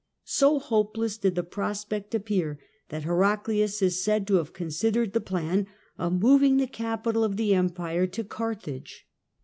So hopeless did the prospect appear that Heraclius is said to have considered he plan of moving the capital of the Empire to Cartri dge.